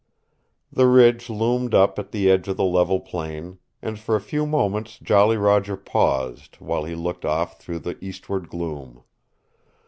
The Ridge loomed up at the edge of the level plain, and for a few moments Jolly Roger paused, while he looked off through the eastward gloom.